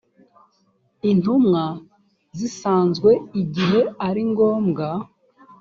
intumwa zisanzwe igihe ari ngombwa